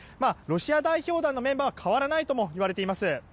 ロシア代表団のメンバーは変わらないともいわれています。